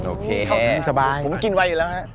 โอเคสบายผมกินไวอยู่แล้วฮะ